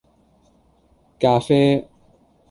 咖啡